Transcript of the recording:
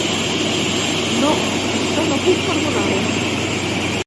No, això no puc perdonar-ho.